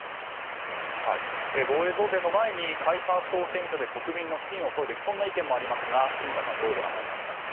防衛増税の前に解散・総選挙で国民の信を問うべきそんな意見もありますが住田さん、どうご覧になりますか。